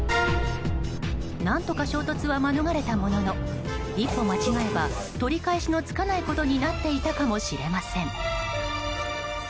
何とか衝突は免れたものの一歩間違えば取り返しのつかないことになっていたかもしれません。